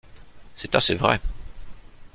C'est assez vrai.